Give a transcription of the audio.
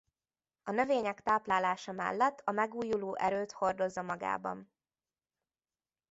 A növények táplálása mellett a megújuló erőt hordozza magában.